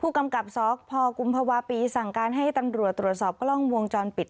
กำกับสพกุมภาวะปีสั่งการให้ตำรวจตรวจสอบกล้องวงจรปิด